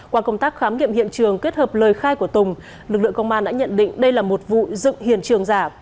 qua công tác khám nghiệm hiện trường kết hợp lời khai của tùng lực lượng công an đã nhận định đây là một vụ dựng hiện trường giả